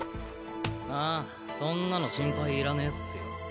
ああそんなの心配いらねえっすよ。